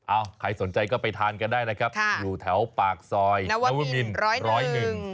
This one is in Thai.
ใครสนใจก็ไปทานกันได้นะครับอยู่แถวปากซอยนวมินร้อยหนึ่ง